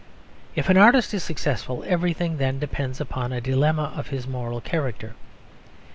If an artist is successful, everything then depends upon a dilemma of his moral character.